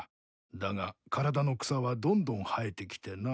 だが体の草はどんどん生えてきてな。